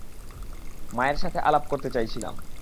মায়ের সাথে আলাপ, করতে চাইছিলাম।